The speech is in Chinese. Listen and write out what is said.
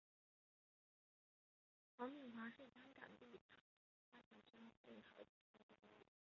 黄敏华是香港地产发展商信和集团总经理。